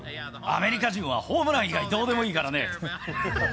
アメリカ人はホームラン以外どうでもいいからね。